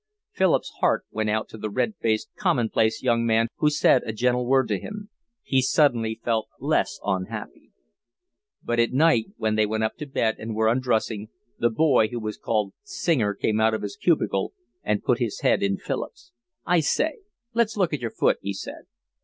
Philip's heart went out to the red faced, commonplace young man who said a gentle word to him. He suddenly felt less unhappy. But at night when they went up to bed and were undressing, the boy who was called Singer came out of his cubicle and put his head in Philip's. "I say, let's look at your foot," he said.